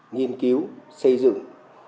nghiên cứu xây dựng